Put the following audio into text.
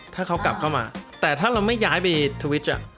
ถ้าเขากลับเข้ามาแต่ถ้าเราไม่ย้ายไปทวิต